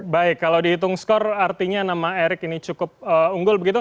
baik kalau dihitung skor artinya nama erick ini cukup unggul begitu